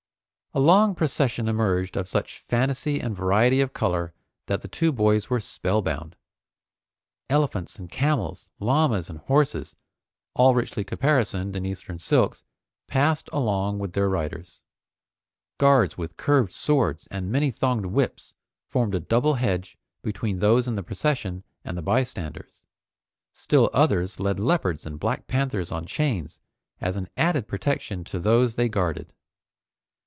A long procession emerged of such fantasy and variety of color that the two boys were spellbound. Elephants and camels, llamas and horses, all richly caparisoned in Eastern silks, passed along with their riders. Guards with curved swords and many thonged whips formed a double hedge between those in the procession and the bystanders. Still others led leopards and black panthers on chains as an added protection to those they guarded.